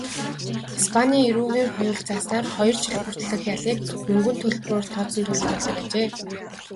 Испанийн эрүүгийн хуульд зааснаар хоёр жил хүртэлх ялыг мөнгөн төлбөрөөр тооцон төлж болдог аж.